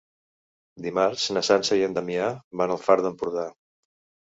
Dimarts na Sança i en Damià van al Far d'Empordà.